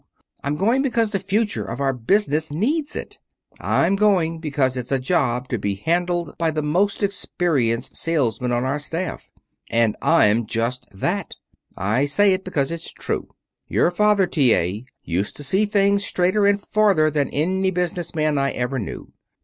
I'm going because the future of our business needs it. I'm going because it's a job to be handled by the most experienced salesman on our staff. And I'm just that. I say it because it's true. Your father, T. A., used to see things straighter and farther than any business man I ever knew.